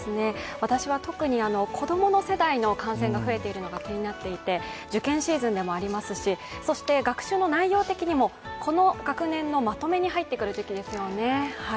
私は特に子供の世代の感染が増えているのが気になっていて、受験シーズンでもありますし、そして学習の内容的にもこの学年のまとめに入ってくる時期ですよね。